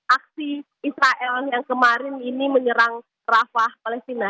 aksi israel yang kemarin ini menyerang rafah palestina